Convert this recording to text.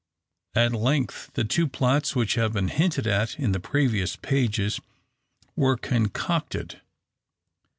At length, the two plots which have been hinted at in the previous pages were concocted.